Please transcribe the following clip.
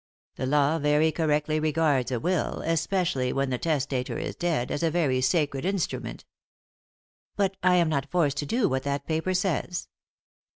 The law very correctly regards a will, especially when the testator is dead, as a very sacred instrument." " But I am not forced to do what that paper says."